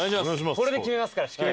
これで決めますからしっかり。